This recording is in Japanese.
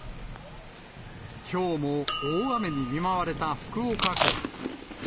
きょうも大雨に見舞われた福岡県。